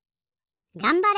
がんばれ！